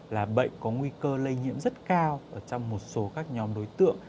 là bệnh có nguy cơ lây nhiễm rất cao trong một số các nhóm đối tượng